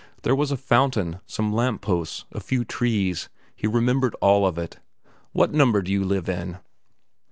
There was a fountain, some lamp posts, a few trees; he remembered all of it. "What number do you live in?"